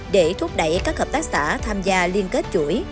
để thúc đẩy các hợp tác xã tham gia liên kết chuỗi